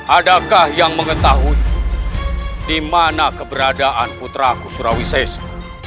adakah yang mengetahui di mana keberadaan putra aku surawi sese